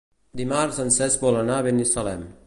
Dimarts en Cesc vol anar a Binissalem.